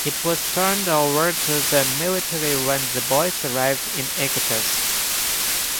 It was turned over to the military when the boys arrived in Iquitos.